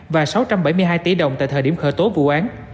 và sáu trăm bảy mươi hai tỷ đồng tại thời điểm khởi tố vụ án